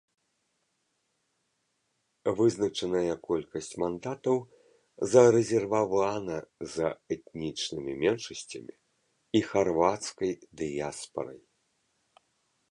Вызначаная колькасць мандатаў зарэзервавана за этнічнымі меншасцямі і харвацкай дыяспарай.